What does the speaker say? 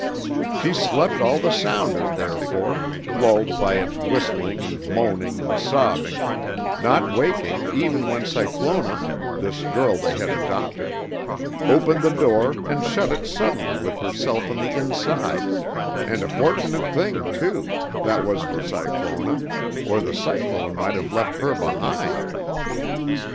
"She slept all the sounder, therefore, lulled by its whistling and moaning and sobbing, not waking even when Cyclona, this girl they had adopted, opened the door and shut it suddenly with herself on the inside, and a fortunate thing, too, that was for Cyclona, or the cyclone might have left her behind.